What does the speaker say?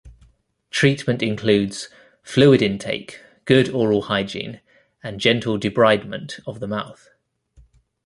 Treatment includes fluid intake, good oral hygiene and gentle debridement of the mouth.